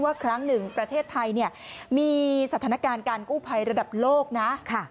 ครั้งหนึ่งประเทศไทยมีสถานการณ์การกู้ภัยระดับโลกนะ